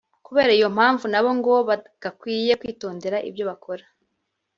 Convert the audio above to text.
Kubera iyo mpamvu nabo ngo bagakwiye kwitondera ibyo bakora